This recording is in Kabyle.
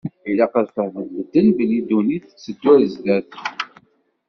Ilaq ad fehmen medden belli ddunit tetteddu ar zdat.